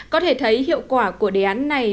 có thể thấy hiệu quả của đề án này